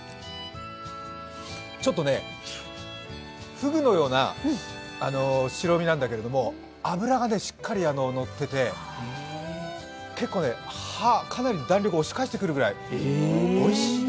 フグのような白身なんだけども、脂がしっかりのってて結構歯、かなり弾力押し返してくるくらい、おいしいね。